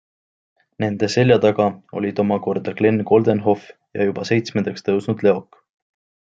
Nende seljataga olid oma korda Glen Coldenhoff ja juba seitsmendaks tõusnud Leok.